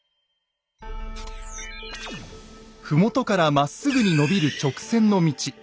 麓からまっすぐに延びる直線の道。